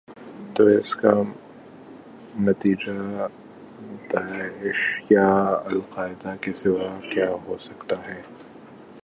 تواس کا نتیجہ داعش یا القاعدہ کے سوا کیا ہو سکتا ہے؟